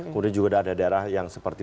kemudian juga ada daerah yang seperti